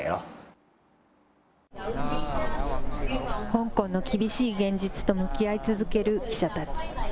香港の厳しい現実と向き合い続ける記者たち。